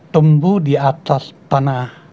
tumbuh di atas tanah